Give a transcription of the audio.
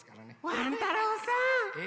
ワン太郎さん！え？